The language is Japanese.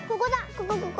ここここ。